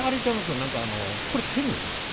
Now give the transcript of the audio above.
何かあのこれ線路ですか？